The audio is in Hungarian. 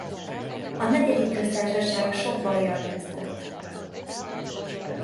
A Negyedik Köztársaság sok bajjal küzdött.